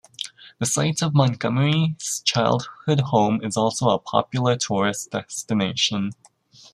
The site of Montgomery's childhood home is also a popular tourist destination.